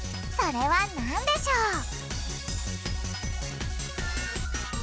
それはなんでしょう？